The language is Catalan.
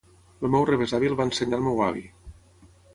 El meu rebesavi el va ensenyar al meu avi